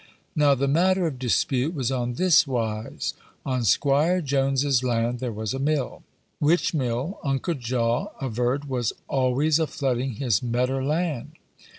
Now, the matter of dispute was on this wise: On 'Squire Jones's land there was a mill, which mill Uncle Jaw averred was "always a flooding his medder land."